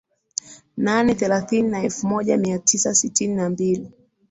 nane thelathini na elfu moja Mia Tisa sitini na mbili